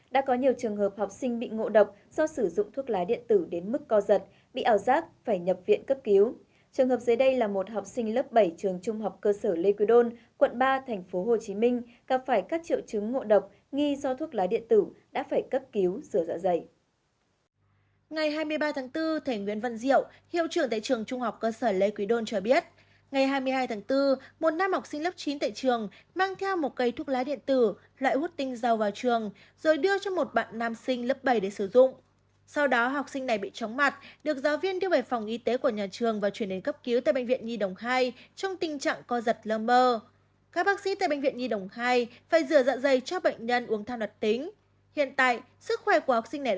đã có nhiều trường hợp học sinh bị ngộ độc do sử dụng thuốc lá điện tử đến mức co giật bị ảo giác phải nhập viện cấp cứu